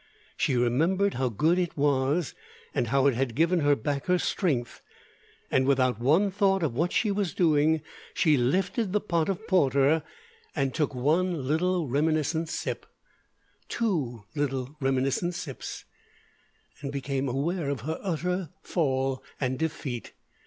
She remembered how good it was, and how it had given her back her strength. And without one thought of what she was doing, she lifted the pot of porter and took one little reminiscent sip two little reminiscent sips and became aware of her utter fall and defeat.